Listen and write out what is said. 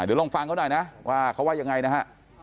เดี๋ยวลองฟังเขาหน่อยนะว่าเขาว่ายังไงนะฮะ